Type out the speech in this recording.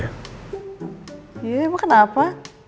iya apa kenapa